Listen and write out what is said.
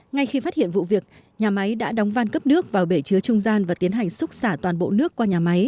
ngay khi phát hiện vụ việc nhà máy đã đóng van cấp nước vào bể chứa trung gian và tiến hành xúc xả toàn bộ nước qua nhà máy